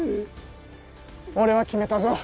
俺は決めたぞ。